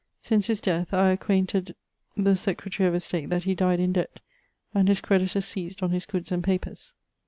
Since his death, I acquainted the Secretary of Estate that he dyed in debt, and his creditors seised on his goods and papers.